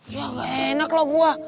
ya ga enak loh gue